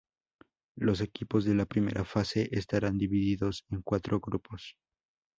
Los equipos de la primera fase estarán divididos en cuatro grupos.